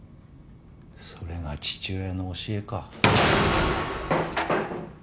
それが父親の教えか？